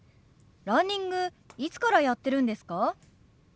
ランニングいつからやってるんですか？